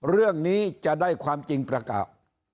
เรื่องนี้จะได้ความจริงประกาศ